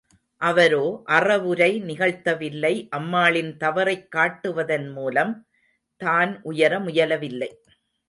அவரோ அறவுரை நிகழ்த்தவில்லை அம்மாளின் தவறைக் காட்டுவதன்மூலம், தான் உயர முயலவில்லை.